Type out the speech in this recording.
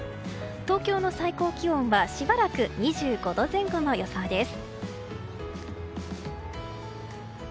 東京の最高気温はしばらく２５度前後の予想です。